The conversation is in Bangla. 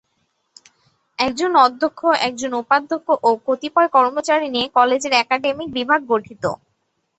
একজন অধ্যক্ষ, একজন উপাধ্যক্ষ ও কতিপয় কর্মচারী নিয়ে কলেজের একাডেমিক বিভাগ গঠিত।